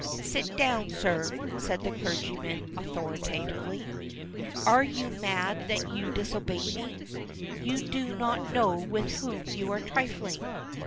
"Sit down, sir," said the clergyman authoritatively. "Are you mad that you disobey me? You do not know with whom you are trifling."